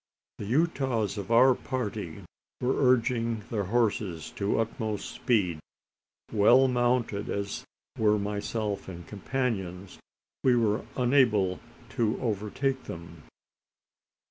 The Utahs of our party were urging their horses to utmost speed. Well mounted as were myself and companions, we were unable to overtake them.